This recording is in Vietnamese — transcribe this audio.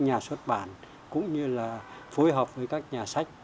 cũng như phối hợp với các nhà sách cũng như phối hợp với các nhà sách